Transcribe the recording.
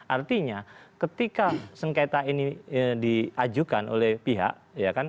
artinya ketika sengketa ini diajukan oleh pihak